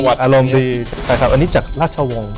อารมณ์ดีใช่ครับอันนี้จากราชวงศ์